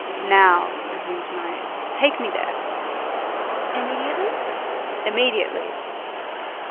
"Now," resumed Marius, "take me there." "Immediately?" "Immediately."